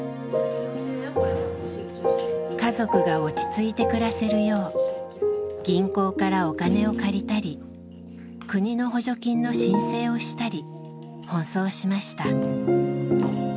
家族が落ち着いて暮らせるよう銀行からお金を借りたり国の補助金の申請をしたり奔走しました。